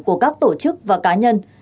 của các tổ chức và cá nhân